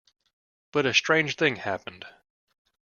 But a strange thing happened.